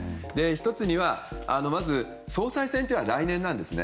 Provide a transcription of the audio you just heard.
１つには、まず総裁選挙は来年なんですね。